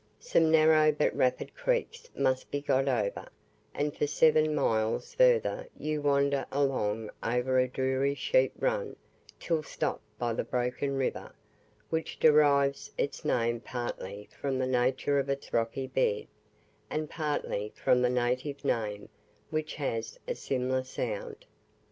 Some narrow but rapid creeks must be got over, and for seven miles further you wander along over a dreary sheep run till stopped by the Broken River, which derives its name partly from the nature of its rocky bed, and partly from the native name which has a similar sound.